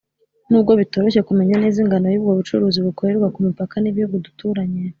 n'ubwo bitoroshye kumenya neza ingano y'ubwo bucuruzi bukorerwa ku mipaka n'ibihugu duturanye.